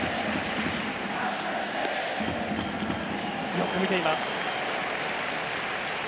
よく見ています！